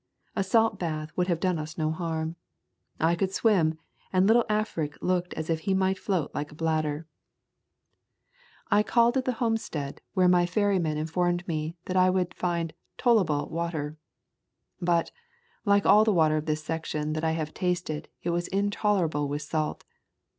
A salt bath would have done us no harm. I could swim and little Afric looked as if he might float like a bladder. Kentucky Forests and Caves I called at the homestead where my ferry man informed me I would find "tollable" water. But, like all the water of this section that I have tasted, it was intolerablewith salt.